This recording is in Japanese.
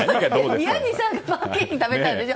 宮司さんがパンケーキ食べたいんでしょ？